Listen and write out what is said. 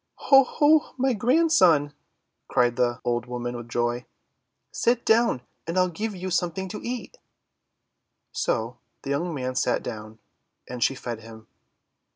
"Oh! Ho! My Grandson!" cried the old woman with joy. "Sit down and I'll give you something to eat!' So the young man sat down, and she fed him.